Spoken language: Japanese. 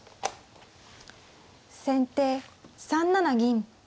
先手３七銀。